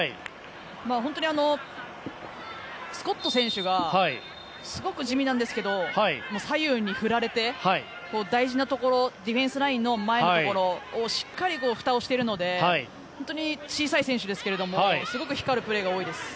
本当にスコット選手がすごく地味なんですけど左右に振られて大事なところディフェンスラインの前のところをしっかりふたをしているので本当に小さい選手ですがすごく光るプレーが多いです。